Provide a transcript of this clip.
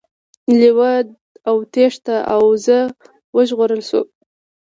لیوه وتښتید او وزه وژغورل شوه.